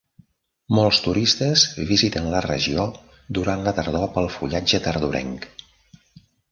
Molts turistes visiten la regió durant la tardor pel fullatge tardorenc.